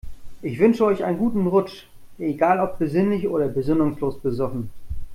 Ich wünsche euch einen guten Rutsch, egal ob besinnlich oder besinnungslos besoffen.